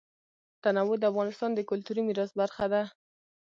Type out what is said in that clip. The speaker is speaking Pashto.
تنوع د افغانستان د کلتوري میراث برخه ده.